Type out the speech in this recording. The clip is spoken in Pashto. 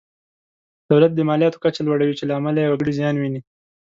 دولت د مالیاتو کچه لوړوي چې له امله یې وګړي زیان ویني.